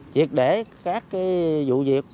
chiệt để các vụ việc